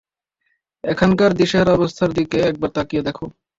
এখানকার দিশেহারা অবস্থাটার দিকে একবার তাকিয়ে দেখো!